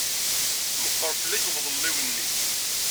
Meqqer fell-ak umḍelliw-nni.